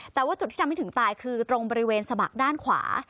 แต่ว่าจุดที่ทำให้ถึงตายคือตรงบริเวณสะบักด้านขวา